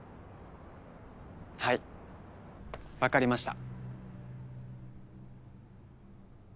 はい分かりました。